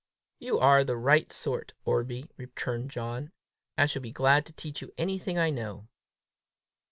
"You are the right sort, Orbie!" returned John. "I shall be glad to teach you anything I know."